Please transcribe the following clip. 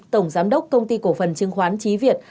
tổng giám đốc công ty cổ phần chứng khoán trí việt